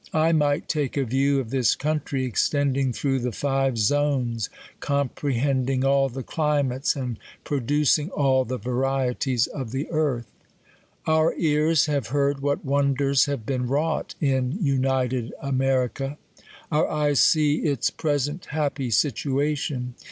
I might take a view of this country, extending through the five zones, comprehending all the climates, and pro ducing all the varieties^of the earth. Our ears have heard what wonders have been wrought in l)nited America. Our eyes see its pres ent happy situation.